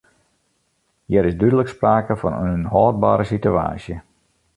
Hjir is dúdlik sprake fan in ûnhâldbere sitewaasje.